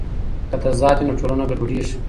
که تضاد وي نو ټولنه ګډوډېږي.